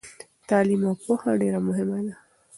تعلیم او پوهه ډیره مهمه ده.